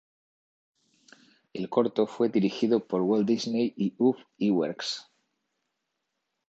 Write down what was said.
El corto fue codirigido por Walt Disney y Ub Iwerks.